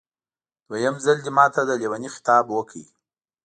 دویم ځل دې ماته د لېوني خطاب وکړ.